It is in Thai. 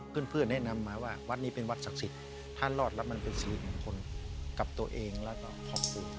เพื่อนแนะนำมาว่าวัดนี้เป็นวัดศักดิ์สิทธิ์ถ้ารอดแล้วมันเป็นสิริมงคลกับตัวเองแล้วก็ขอบคุณ